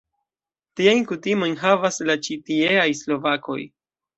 Tiajn kutimojn havas la ĉi tieaj Slovakoj.